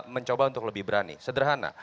mencoba untuk lebih berani sederhana